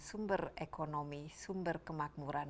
sumber ekonomi sumber kemakmuran